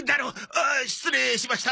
ああ失礼しました。